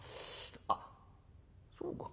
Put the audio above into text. あっそうか。